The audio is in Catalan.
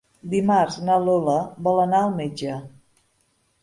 Dimarts na Lola vol anar al metge.